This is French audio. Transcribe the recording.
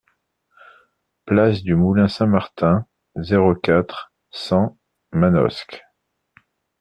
Place du Moulin Saint-Martin, zéro quatre, cent Manosque